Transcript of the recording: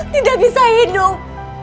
tidak bisa hidup